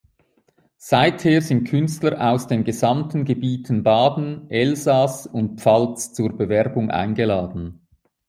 Seither sind Künstler aus den gesamten Gebieten Baden, Elsass und Pfalz zur Bewerbung eingeladen.